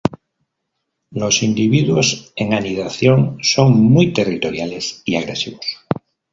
Los individuos en anidación son muy territoriales y agresivos.